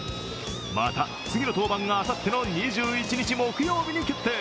また次の登板があさっての２１日木曜日に決定。